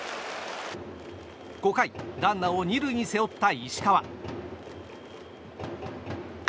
５回、ランナーを２塁に背負った石川。